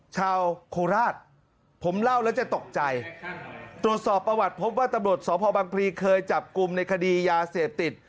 ชาวโคราชผมเล่าแล้วจะตกใจตรวจสอบประวัติพบว่าตำรวจสพบังพลีเคยจับกลุ่มในคดียาเสพติด